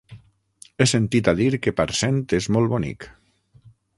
He sentit a dir que Parcent és molt bonic.